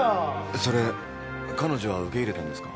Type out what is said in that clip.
それ彼女は受け入れたんですか？